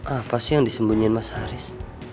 apa sih yang disembunyiin mas haris